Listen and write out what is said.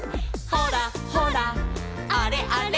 「ほらほらあれあれ」